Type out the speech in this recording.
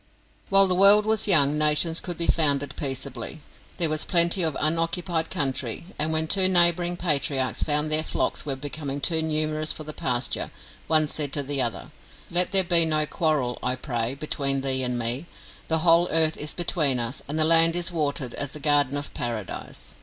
While the world was young, nations could be founded peaceably. There was plenty of unoccupied country, and when two neighbouring patriarchs found their flocks were becoming too numerous for the pasture, one said to the other: "Let there be no quarrel, I pray, between thee and me; the whole earth is between us, and the land is watered as the garden of Paradise.